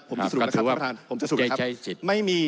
ผมจะสรุปแล้วครับผมจะสรุปแล้วครับ